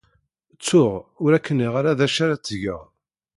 Ttuɣ ur ak-nniɣ ara d acu ara tged.